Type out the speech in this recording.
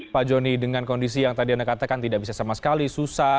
pak joni dengan kondisi yang tadi anda katakan tidak bisa sama sekali susah